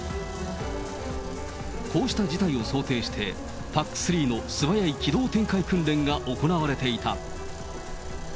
こうした事態を想定して、ＰＡＣ３のすばやい起動展開訓練が行われていた。